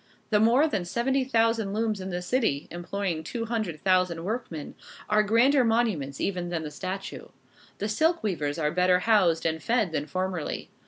The more than seventy thousand looms in the city, employing two hundred thousand workmen, are grander monuments even than the statue. The silk weavers are better housed and fed than formerly.